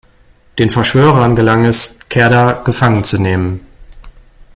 Den Verschwörern gelang es Cerda gefangen zu nehmen.